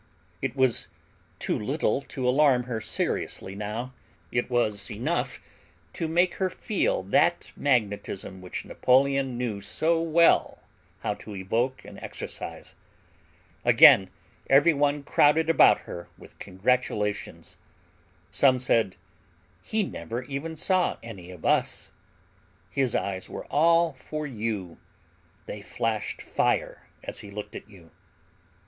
It was too little to alarm her seriously now. It was enough to make her feel that magnetism which Napoleon knew so well how to evoke and exercise. Again every one crowded about her with congratulations. Some said: "He never even saw any of US. His eyes were all for YOU! They flashed fire as he looked at you."